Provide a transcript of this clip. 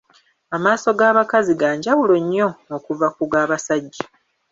Amaaso ga bakazi ga njawulo nnyo okuva ku ga basajja.